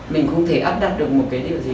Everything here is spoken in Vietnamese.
mình không thể áp đặt được một cái điều gì